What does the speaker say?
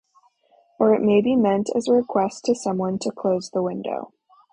Or it might be meant as a request to someone to close the window.